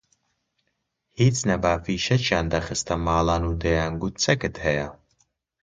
هیچ نەبا فیشەکیان دەخستە ماڵان و دەیانگوت چەکت هەیە